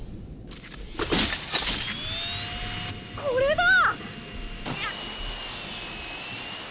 これだ！